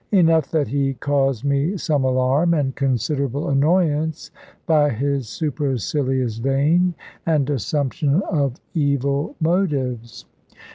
Enough that he caused me some alarm and considerable annoyance by his supercilious vein, and assumption of evil motives.